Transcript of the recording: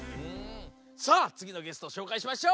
さあつぎのゲストをしょうかいしましょう！